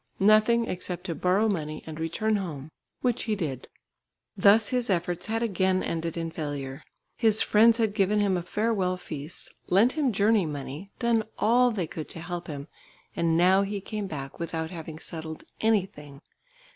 Nothing except to borrow money and return home, which he did. Thus his efforts had again ended in failure. His friends had given him a farewell feast, lent him journey money, done all they could to help him, and now he came back without having settled anything.